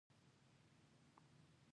نه پوهېږم ده سره یې هم چندان وضعه ښه نه وه.